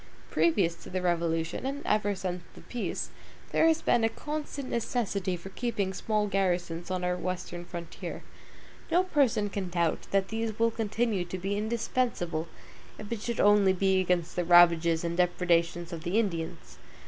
Previous to the Revolution, and ever since the peace, there has been a constant necessity for keeping small garrisons on our Western frontier. No person can doubt that these will continue to be indispensable, if it should only be against the ravages and depredations of the Indians.